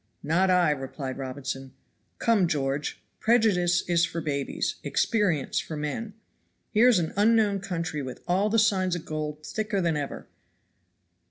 "Not I," replied Robinson. "Come, George, prejudice is for babies, experience for men. Here is an unknown country with all the signs of gold thicker than ever.